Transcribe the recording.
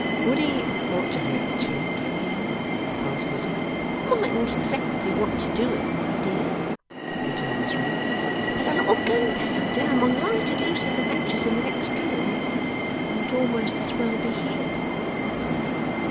'Would he want to hurt you, do you mean?' asked Lizzie. 'Mightn't exactly want to do it, my dear,' returned Miss Wren; 'but a lot of gunpowder among lighted lucifer matches in the next room might almost as well be here.